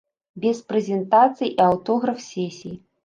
Без прэзентацый і аўтограф-сесій.